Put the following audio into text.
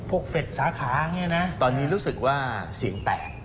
พวกเฟ็ดสาขาเนี่ยนะตอนนี้รู้สึกว่าเสียงแตก